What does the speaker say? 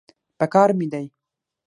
پکار مې دی.